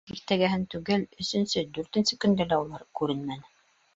Иртәгеһен түгел, өсөнсө, дүртенсе көндө лә улар күренмәне.